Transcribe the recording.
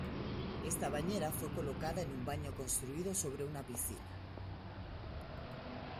Ésta bañera fue colocada en un baño construido sobre una piscina.